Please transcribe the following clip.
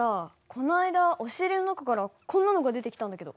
この間押し入れの中からこんなのが出てきたんだけど。